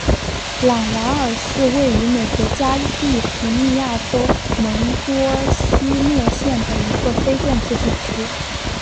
朗瓦尔是位于美国加利福尼亚州门多西诺县的一个非建制地区。